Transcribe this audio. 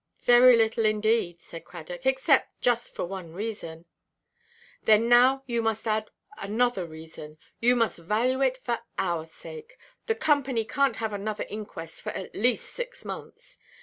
"Very little indeed," said Cradock, "except just for one reason." "Then now you must add another reason; you must value it for our sake. The Company canʼt have another inquest for at least six months.